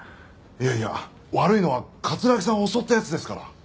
いやいや悪いのは城さんを襲った奴ですから。